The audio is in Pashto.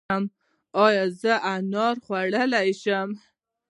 ایا زه انار خوړلی شم؟